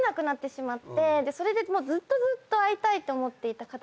それでずっとずっと会いたいって思っていた方です。